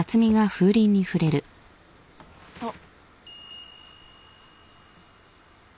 そう。